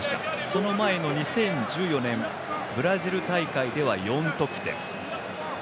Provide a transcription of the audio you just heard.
その前の２０１４年ブラジル大会では４得点。